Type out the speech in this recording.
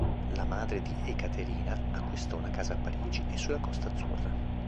La madre di Ekaterina acquistò una casa a Parigi e sulla Costa Azzurra.